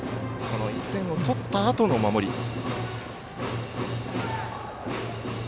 １点を取ったあとの守り。